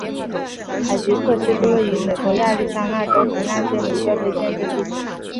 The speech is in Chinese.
海吉克斯是位于美国亚利桑那州皮纳尔县的一个非建制地区。